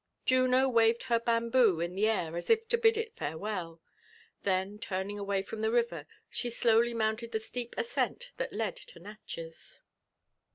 Juno waved her bamboo in the air as if to bid it farewell ; then turning away from the river, she slowly mounted (he steep ascent that led to Natchez.